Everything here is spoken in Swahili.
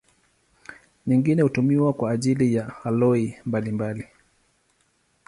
Nyingine hutumiwa kwa ajili ya aloi mbalimbali.